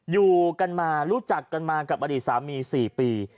อยู่กันมารู้จักกันมากับอดีตสามี๔ปี